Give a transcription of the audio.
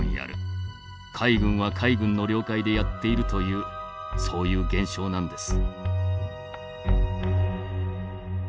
海軍は海軍の了解でやっているというそういう現象なんです」。